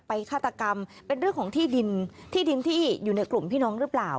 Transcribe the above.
ฆาตกรรมเป็นเรื่องของที่ดินที่ดินที่อยู่ในกลุ่มพี่น้องหรือเปล่า